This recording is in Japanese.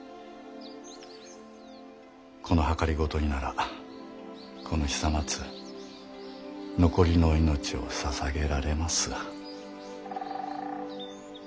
この謀にならこの久松残りの命をささげられます。